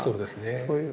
そういう。